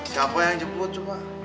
siapa yang jemput cuma